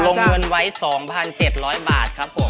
ลงเงินไว้๒๗๐๐บาทครับผม